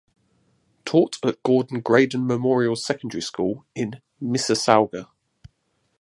Taught at Gordon Graydon Memorial Secondary School in Mississauga.